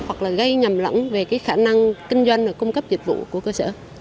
hoặc là gây nhầm lẫn về cái khả năng kinh doanh là cung cấp dịch vụ của cơ sở